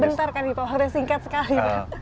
sebentar kan di pohonnya singkat sekali